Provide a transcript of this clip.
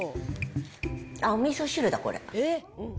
あっ、おみそ汁だ、これ。